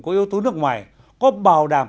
có yếu tố nước ngoài có bảo đảm